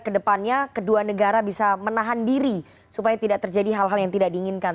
kedepannya kedua negara bisa menahan diri supaya tidak terjadi hal hal yang tidak diinginkan